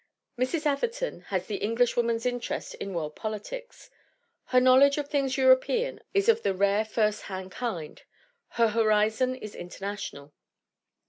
Mrs. Atherton has the Englishwoman's interest in world politics; her knowledge of things European is of the rare first hand kind; her horizon is international.